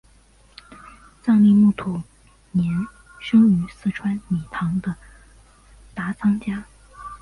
藏历木兔年生于四川理塘的达仓家。